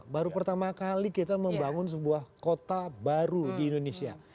baru pertama kali kita membangun sebuah kota baru di indonesia